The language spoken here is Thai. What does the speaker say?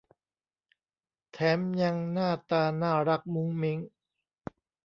แถมยังหน้าตาน่ารักมุ้งมิ้ง